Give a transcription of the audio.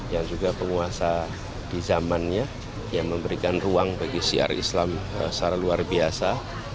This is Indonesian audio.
yang juga penguasa di zamannya yang memberikan ruang bagi siar islam secara luar biasa